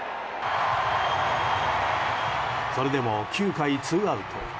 それでも９回ツーアウト。